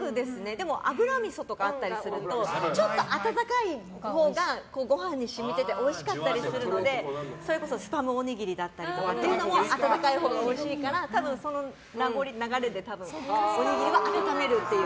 でも、油みそとかあったりするとちょっと温かいほうがご飯にしみてておいしかったりするのでそれこそスパムおにぎりとかも温かいほうがおいしいからその名残でおにぎりは温めるという。